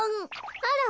あら。